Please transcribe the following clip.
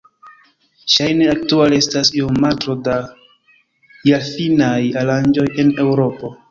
Ŝajne aktuale estas iom maltro da jarfinaj aranĝoj en Eŭropo.